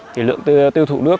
thì lượng tiêu thụ nước